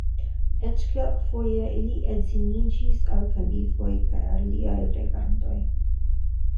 Eĉ kelkfoje ili edziniĝis al kalifoj kaj aliaj regantoj.